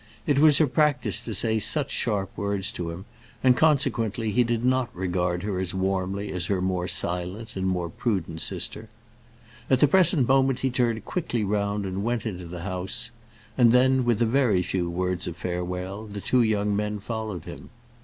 It was her practice to say such sharp words to him, and consequently he did not regard her as warmly as her more silent and more prudent sister. At the present moment he turned quickly round and went into the house; and then, with a very few words of farewell, the two young men followed him.